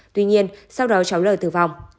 tuy nhiên sau đó cháu lờ tử vong